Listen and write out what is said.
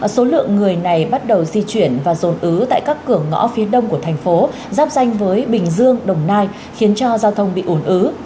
số lượng người này bắt đầu di chuyển và rồn ứ tại các cửa ngõ phía đông của thành phố giáp danh với bình dương đồng nai khiến cho giao thông bị ủn ứ